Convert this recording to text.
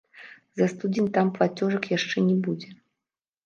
За студзень там плацёжак яшчэ не будзе.